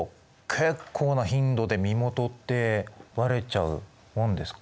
結構な頻度で身元ってばれちゃうもんですか？